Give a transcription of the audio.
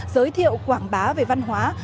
giới thiệu quảng bá về văn hóa